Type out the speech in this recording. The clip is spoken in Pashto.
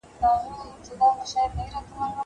زه اوږده وخت تمرين کوم.